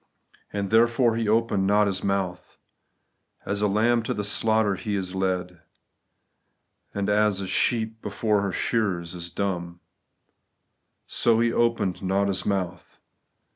And (therefore) He opened not His mouth. As a lamb to the slaughter He is led ; And as a sheep before her shearers is dumb, So He opened not His mouth.